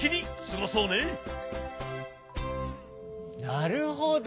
なるほど。